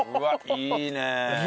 いいね！